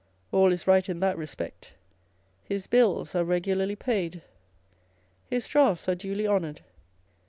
All is right in that respect. His bills are regularly paid, his drafts are duly honoured.